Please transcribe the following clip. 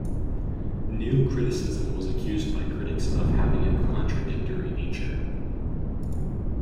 New Criticism was accused by critics of having a contradictory nature.